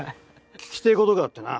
聞きてえことがあってな。